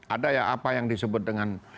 ada ya apa yang disebut dengan